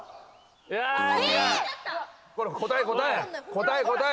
答え答え。